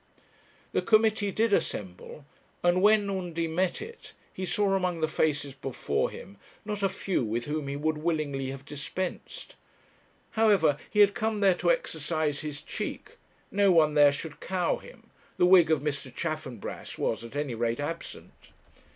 The committee did assemble, and when Undy met it, he saw among the faces before him not a few with whom he would willingly have dispensed. However, he had come there to exercise his cheek; no one there should cow him; the wig of Mr. Chaffanbrass was, at any rate, absent.